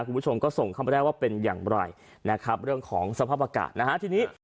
คุณผู้ชมก็ส่งเข้ามาได้ว่าเป็นอย่างไรนะครับเรื่องของสภาพอากาศนะฮะทีนี้